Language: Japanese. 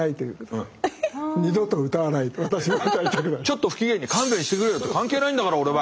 ちょっと不機嫌に「勘弁してくれよ！関係ないんだからオレは」